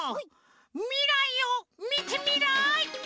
みらいをみてみらい！